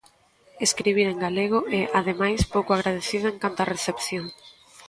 Escribir en galego é, ademais, pouco agradecido en canto a recepción.